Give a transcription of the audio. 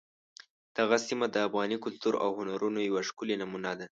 دغه سیمه د افغاني کلتور او هنرونو یوه ښکلې نمونه ده.